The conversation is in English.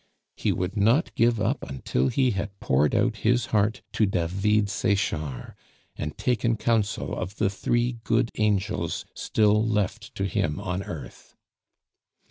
He would not give up until he had poured out his heart to David Sechard, and taken counsel of the three good angels still left to him on earth.